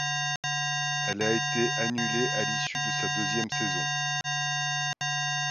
Elle a été annulée à l'issue de sa deuxième saison.